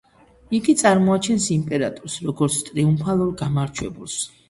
იგი წარმოაჩენს იმპერატორს, როგორც ტრიუმფალურ გამარჯვებულს.